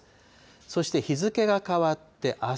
そして、日付が変わって、あす。